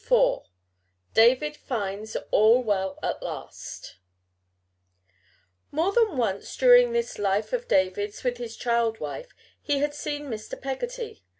IV DAVID FINDS ALL WELL AT LAST More than once during this life of David's with his child wife he had seen Mr. Peggotty.